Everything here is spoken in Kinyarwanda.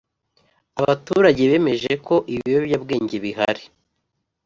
abaturage bemeje ko ibiyobyabwenge bihari